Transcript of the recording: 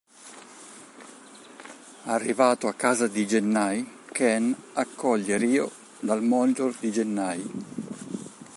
Arrivato a casa di Gennai, Ken accoglie Ryo dal monitor di Gennai.